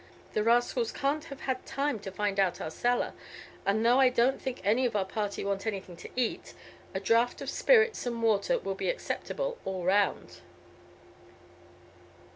The rascals can't have had time to find out our cellar, and though I don't think any of our party want anything to eat, a draught of spirits and water will be acceptable all round."